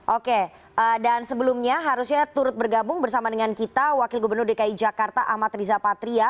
oke dan sebelumnya harusnya turut bergabung bersama dengan kita wakil gubernur dki jakarta ahmad riza patria